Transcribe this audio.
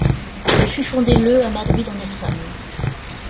Elle fut fondée le à Madrid en Espagne.